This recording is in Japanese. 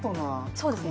そうですね